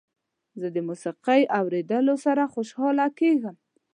زه د موسيقۍ اوریدلو سره خوشحاله کیږم.